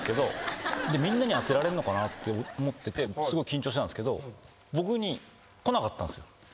みんなに当てられるのかなって思っててすごい緊張してたんですけど僕にこなかったんですよ。